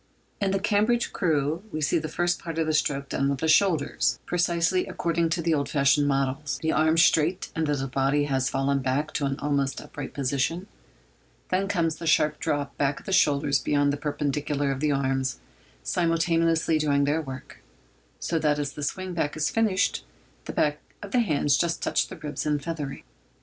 In the Cambridge crew we see the first part of the stroke done with the shoulders—precisely according to the old fashioned models—the arms straight until the body has fallen back to an almost upright position; then comes the sharp drop back of the shoulders beyond the perpendicular, the arms simultaneously doing their work, so that as the swing back is finished, the backs of the hands just touch the ribs in feathering.